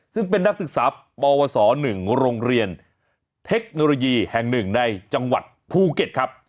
ซึ่งเป็นนักศึกษาปวส๑โรงเรียนเทคโนโลยีแห่ง๑ในจังหวัดภูเก็ตครับ